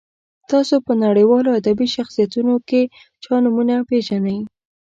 تاسو په نړیوالو ادبي شخصیتونو کې چا نومونه پیژنئ.